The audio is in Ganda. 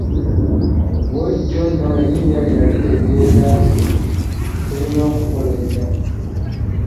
Bwe lityo nno erinnya lino litegeeza nti tulina okukola ennyo.